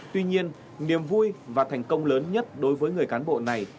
tuy nhiên niềm vui và thành công lớn nhất đối với người cán bộ này